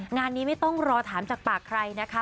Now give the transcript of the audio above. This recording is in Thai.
งานนี้ไม่ต้องรอถามจากปากใครนะคะ